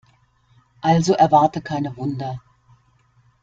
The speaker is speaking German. Also erwarte keine Wunder.